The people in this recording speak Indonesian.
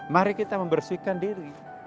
mari kita membersihkan diri